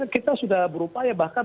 kita sudah berupaya bahkan